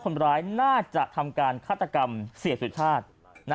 คนร้ายน่าจะทำการฆาตกรรมเสียสุชาติ